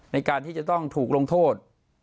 ในการที่จะต้องถูกลงโทษ